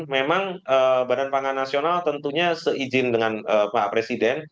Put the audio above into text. memang badan pangan nasional tentunya seizin dengan pak presiden